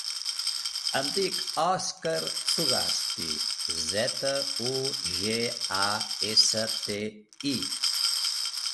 Em dic Òscar Zugasti: zeta, u, ge, a, essa, te, i.